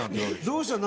どうしたの？